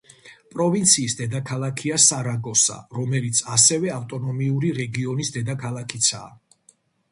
პროვინციის დედაქალაქია სარაგოსა, რომელიც ასევე ავტონომიური რეგიონის დედაქალაქიცაა.